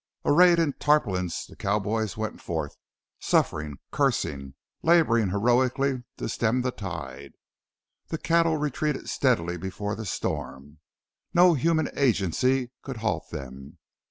Arrayed in tarpaulins the cowboys went forth, suffering, cursing, laboring heroically to stem the tide. The cattle retreated steadily before the storm no human agency could halt them.